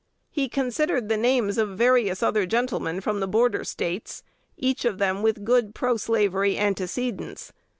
He considered the names of various other gentlemen from the Border States, each of them with good proslavery antecedents.